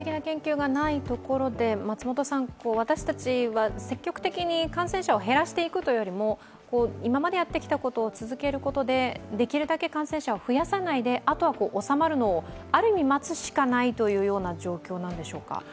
具体的な言及がないところで私たちは積極的に感染者を減らしていくというよりも、今までやってきたことを続けることでできるだけ感染者を増やさないで、あとは収まるのをある意味、待つしかないというような状況なんでしょうか？